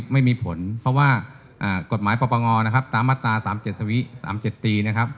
ไม่มีผลเพราะว่ากฎหมายปปงตามมาตรา๓๗สวี๓๗ตี